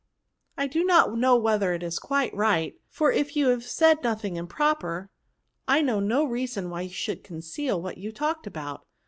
" I do not know whether that is quite right; for if you said nothing imprc^er, I 156 KOUNS. know no reason why you should conceal what you talked about."